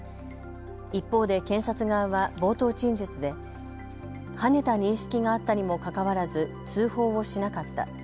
一方で検察側は冒頭陳述ではねた認識があったにもかかわらず通報をしなかった。